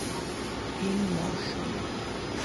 In Motion